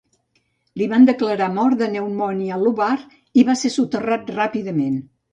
Li van declarar mort de pneumònia lobar i va ser soterrat ràpidament.